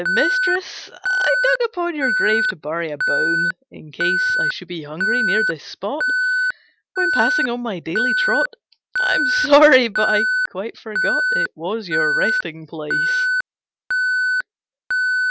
"Mistress, I dug upon your grave To bury a bone, in case I should be hungry near this spot When passing on my daily trot. I am sorry, but I quite forgot It was your resting place."